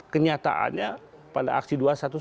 kenyataannya pada aksi